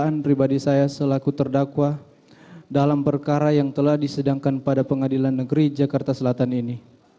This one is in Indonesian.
dan saya beri keberanian pribadi saya selaku terdakwa dalam perkara yang telah disedangkan pada pengadilan negeri jakarta selatan ini